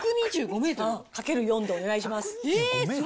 かける４でお願いします。